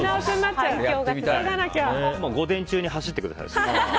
午前中に走ってください。